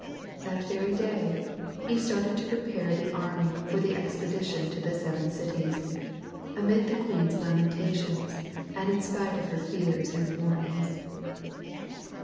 That very day he started to prepare the army for the expedition to the Seven Cities, amid the queen's lamentations and in spite of her fears and warnings.